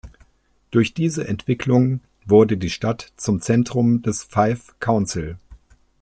Durch diese Entwicklung wurde die Stadt zum Zentrum des Fife Council.